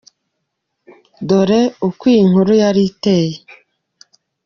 Dore uko iyi nkuru yari iteye :.